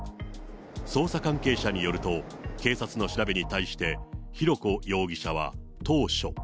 捜査関係者によると、警察の調べに対して、浩子容疑者は当初。